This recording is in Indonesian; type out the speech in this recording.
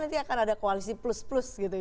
nanti akan ada koalisi plus plus